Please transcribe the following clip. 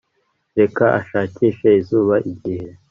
Reka ashakishe izuba igihe